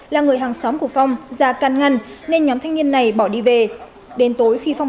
một nghìn chín trăm sáu mươi bốn là người hàng xóm của phong già can ngăn nên nhóm thanh niên này bỏ đi về đến tối khi phong